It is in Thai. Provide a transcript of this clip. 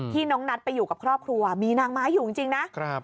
น้องนัทไปอยู่กับครอบครัวมีนางไม้อยู่จริงนะ